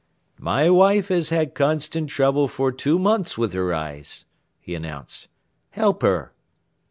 "My wife has had constant trouble for two months with her eyes," he announced. "Help her."